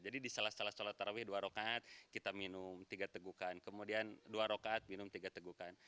jadi di salah salah sholat taraweeh dua rokaat kita minum tiga tegukan kemudian dua rokaat minum tiga tegukan